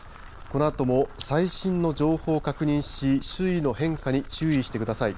このあとも最新の情報を確認し周囲の変化に注意してください。